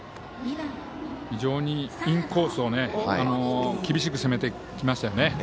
非常にインコースを厳しく攻めてきましたよね。